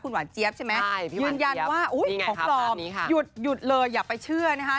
หวานเจี๊ยบใช่ไหมยืนยันว่าของปลอมหยุดเลยอย่าไปเชื่อนะคะ